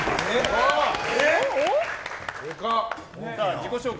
自己紹介